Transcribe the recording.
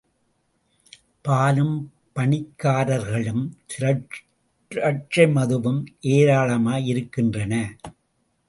பாலும், பணிகாரர்களும், திராட்சை மதுவும் ஏராளமாயிருக்கின்றன.